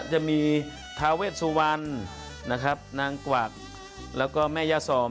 จะมีทาเวชสุวรรณนะครับนางกวักแล้วก็แม่ย่าสอง